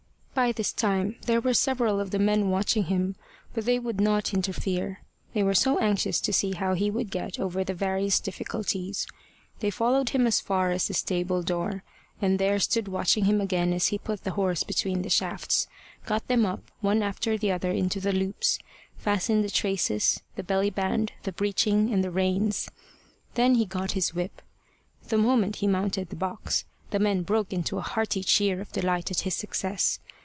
By this time there were several of the men watching him, but they would not interfere, they were so anxious to see how he would get over the various difficulties. They followed him as far as the stable door, and there stood watching him again as he put the horse between the shafts, got them up one after the other into the loops, fastened the traces, the belly band, the breeching, and the reins. Then he got his whip. The moment he mounted the box, the men broke into a hearty cheer of delight at his success.